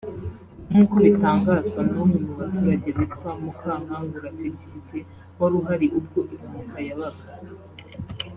nk’uko bitangazwa n’umwe mu baturage witwa Mukankangura Felicité wari uhari ubwo impanuka yabaga